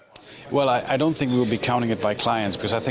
saya tidak berpikir akan dipercayai oleh klien